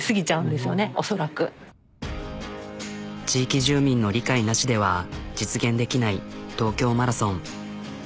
地域住民の理解なしでは実現できない東京マラソン。